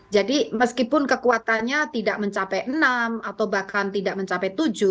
jadi meskipun kekuatannya tidak mencapai enam atau bahkan tidak mencapai tujuh